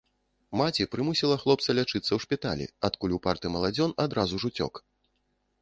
Маці прымусіла хлопца лячыцца ў шпіталі, адкуль упарты маладзён адразу ж уцёк.